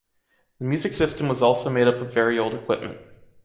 The music system was also made up of very old equipment.